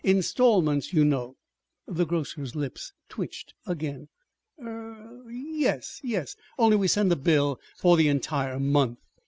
installments, you know." The grocer's lips twitched again. "Er y yes, only we send a bill for the entire month."